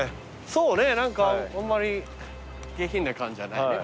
そうね何かあんまり下品な感じはないね